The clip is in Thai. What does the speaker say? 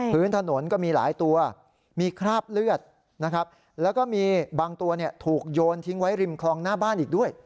พื้นถนนก็มีหลายตัวมีคราบเลือดนะครับแล้วก็มีบางตัวถูกโยนทิ้งไว้ริมคลองหน้าบ้านอีกด้วย